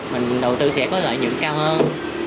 mình đầu tư sẽ có lợi nhuận cao hơn